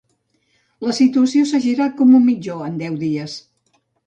La situació s’ha girat com un mitjó en deu dies.